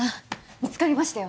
見つかりましたよ